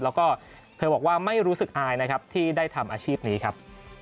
แล้วก็เธอบอกว่าไม่รู้สึกอายนะครับที่ได้ทำอาชีพนี้ครับ